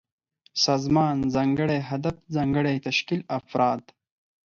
سازمان: ځانګړی هدف، ځانګړی تشکيل ، افراد